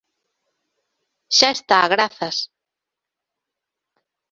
Xa esta, grazas.